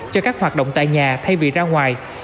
cho các hoạt động tại nhà thay vì ra ngoài